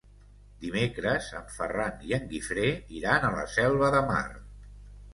Dimecres en Ferran i en Guifré iran a la Selva de Mar.